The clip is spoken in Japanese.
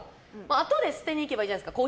あとで捨てに行けばいいじゃないですか。